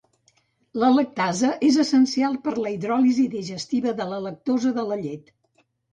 La lactasa és essencial per la hidròlisi digestiva de la lactosa de la llet.